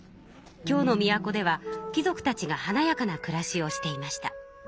京の都では貴族たちがはなやかなくらしをしていました。